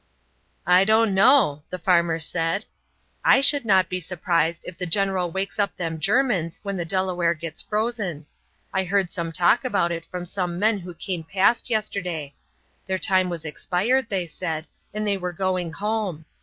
"I don't know," the farmer said. "I should not be surprised if the general wakes up them Germans when the Delaware gets frozen. I heard some talk about it from some men who came past yesterday. Their time was expired, they said, and they were going home.